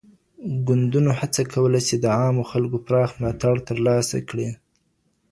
ګوندونو هڅه کوله چي د عامو خلګو پراخ ملاتړ ترلاسه کړي.